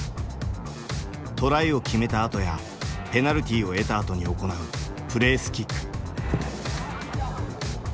トライを決めたあとやペナルティーを得たあとに行うプレースキック。